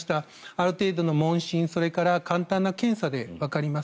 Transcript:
ある程度の問診それから簡単な検査でわかります。